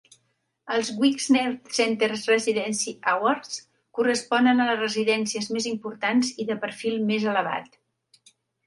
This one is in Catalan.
Els Wexner Center Residency Awards corresponen a les residències més importants i de perfil més elevat.